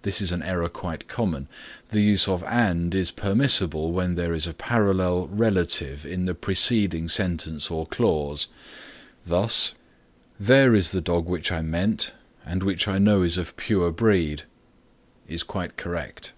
This is an error quite common. The use of and is permissible when there is a parallel relative in the preceding sentence or clause. Thus: "There is the dog which I meant and which I know is of pure breed" is quite correct.